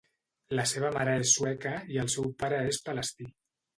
La seva mare és sueca i el seu pare és palestí.